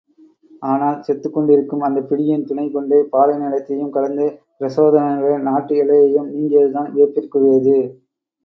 ஆனால், செத்துக்கொண்டிருக்கும் அந்தப் பிடியின் துணைகொண்டே பாலை நிலத்தையும் கடந்து பிரசோதனனுடைய நாட்டு எல்லையையும் நீங்கியதுதான் வியப்பிற்கு உரியது.